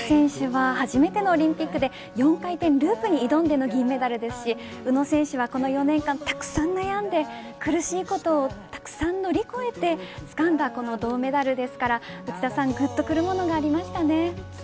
鍵山選手は初めてのオリンピックで４回転ループに挑んでの銀メダルですし宇野選手はこの４年間たくさん悩んで苦しいことをたくさん乗り越えて掴んだこの銅メダルですから内田さんぐっとくるものがありましたね。